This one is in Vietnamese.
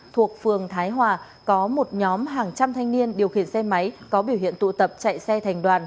thuộc phường thái hòa có một nhóm hàng trăm thanh niên điều khiển xe máy có biểu hiện tụ tập chạy xe thành đoàn